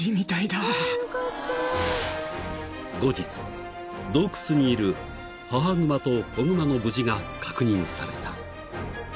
［後日洞窟にいる母グマと子グマの無事が確認された］